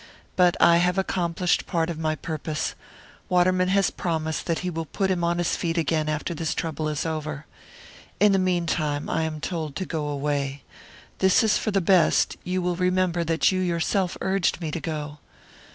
But I have accomplished part of my purpose Waterman has promised that he will put him on his feet again after this trouble is over. In the meantime, I am told to go away. This is for the best; you will remember that you yourself urged me to go.